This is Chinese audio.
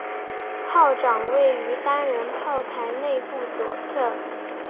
炮长位于单人炮塔内部左侧。